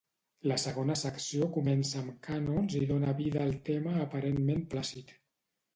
La segona secció comença amb cànons i dóna vida al tema aparentment plàcid.